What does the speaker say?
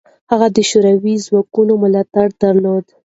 هغه د شوروي ځواکونو ملاتړ درلود.